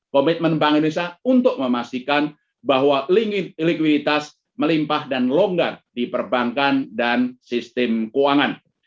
komitmen bank indonesia untuk memastikan bahwa likuiditas melimpah dan longgar di perbankan dan sistem keuangan